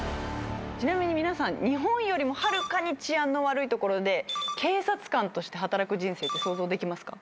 日本よりもはるかに治安の悪いところで警察官として働く人生って想像できますか？